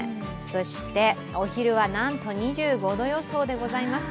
お昼はなんと２５度予想でございます。